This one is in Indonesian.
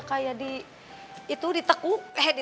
makanya papi butuh keluar cari udara segar